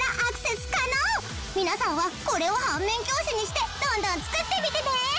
皆さんはこれを反面教師にしてどんどん作ってみてね！